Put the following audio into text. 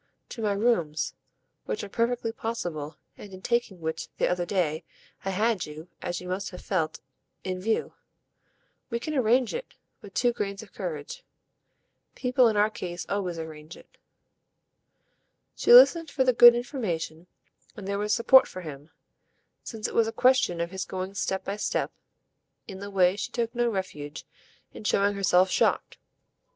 "To my rooms, which are perfectly possible, and in taking which, the other day, I had you, as you must have felt, in view. We can arrange it with two grains of courage. People in our case always arrange it." She listened as for the good information, and there was support for him since it was a question of his going step by step in the way she took no refuge in showing herself shocked.